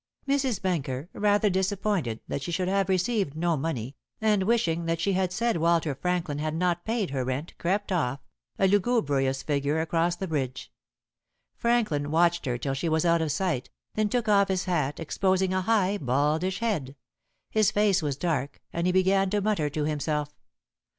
Mrs. Benker, rather disappointed that she should have received no money, and wishing that she had said Walter Franklin had not paid her rent, crept off, a lugubrious figure, across the bridge. Franklin watched her till she was out of sight, then took off his hat, exposing a high, baldish head. His face was dark, and he began to mutter to himself.